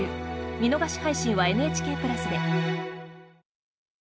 見逃し配信はＮＨＫプラスで。